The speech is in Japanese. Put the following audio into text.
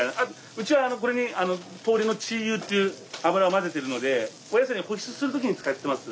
うちはこれに鶏の鶏油っていう油を混ぜてるのでお野菜に保湿する時に使ってます。